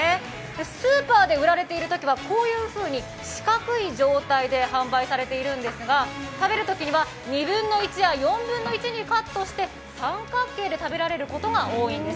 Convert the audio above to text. スーパーで売られているときは、こういうふうに四角い状態で販売されているんですが食べるときには２分の１や４分の１にカットして三角形で食べられることが多いんです。